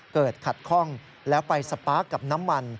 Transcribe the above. เกิดขัดข้องแล้วไปสปาร์คกับน้ำมัน